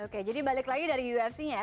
oke jadi balik lagi dari ufc nya ya